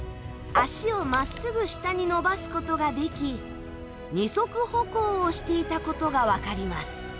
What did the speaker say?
あしを真っ直ぐ下に伸ばすことができ二足歩行をしていたことがわかります。